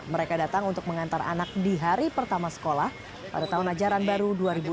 mereka datang untuk mengantar anak di hari pertama sekolah pada tahun ajaran baru dua ribu enam belas